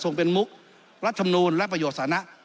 เป็นมุกรัฐธรรมนูลและประโยชนสานะ